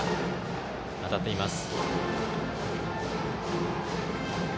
当たっています。